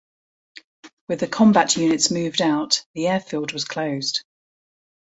With the combat units moved out, the airfield was closed.